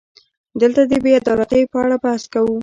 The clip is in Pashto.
دلته د بې عدالتۍ په اړه بحث کوو.